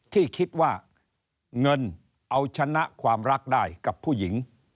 ที่คิดว่าเงินเอาชนะความรักได้กับผู้หญิง